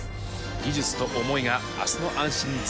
技術と思いが明日の安心につながっていく。